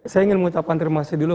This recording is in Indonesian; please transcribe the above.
saya ingin mengucapkan terima kasih dulu